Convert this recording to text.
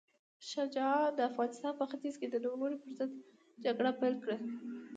شاه شجاع د افغانستان په ختیځ کې د نوموړي پر ضد جګړه پیل کړه.